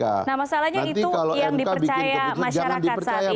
nah masalahnya itu yang dipercaya masyarakat saat ini